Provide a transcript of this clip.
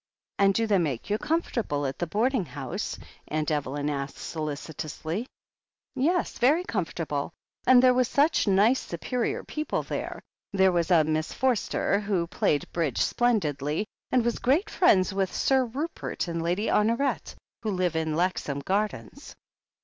"And do they make you comfortable at the boarding house?" Aunt Evelyn asked solicitously. "Yes, very comfortable — and there were such nice superior people there. There was a Miss Forster, who played Bridge splendidly, and was great friends with a Sir Rupert and Lady Honoret, who lived in Lexham Gardens."